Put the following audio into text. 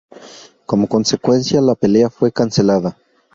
Como consecuencia, la pelea fue cancelada.